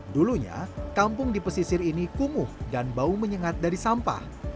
dulunya kampung di pesisir ini kumuh dan bau menyengat dari sampah